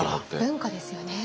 文化ですよね。